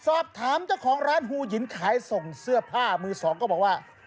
สอบถามเจ้าของร้านฮูหินขายส่งเสื้อผ้ามือสองก็บอกว่า